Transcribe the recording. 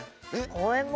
公園も？